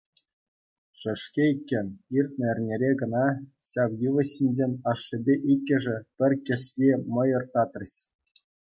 Шӗшкӗ иккен, иртнӗ эрнере кӑна ҫав йывӑҫ ҫинчен ашшӗпе иккӗшӗ пӗр кӗсье мӑйӑр татрӗҫ.